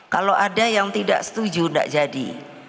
kalau ada yang tidak setuju tidak jadi